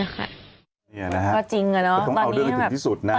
นี่นะครับก็จริงน่ะเนอะตอนนี้นะครับต้องเอาเรื่องถึงที่สุดนะ